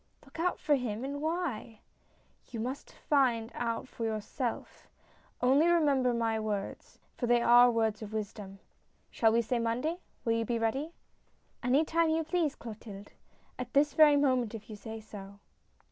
" Look out for him ? And why ?" "You must find that out for yourself, only remember my words, for they are words of wisdom. Shall we say Monday ? Will you be ready ?"" Any time you please, Clotilde ; this very moment, if you say so."